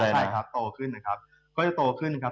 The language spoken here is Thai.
ใช่ครับโตขึ้นนะครับก็จะโตขึ้นครับ